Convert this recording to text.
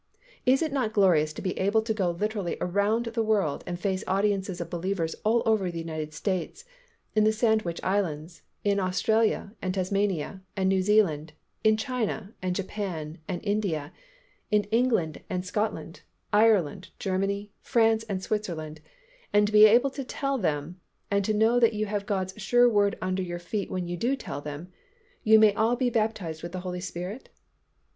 Is it not glorious to be able to go literally around the world and face audiences of believers all over the United States, in the Sandwich Islands, in Australia and Tasmania and New Zealand, in China and Japan and India, in England and Scotland, Ireland, Germany, France and Switzerland and to be able to tell them, and to know that you have God's sure Word under your feet when you do tell them, "You may all be baptized with the Holy Spirit"?